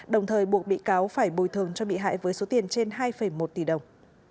đồng thời buộc bị cáo phải bồi thường cho bị hại với số tiền trên hai một tỷ đồng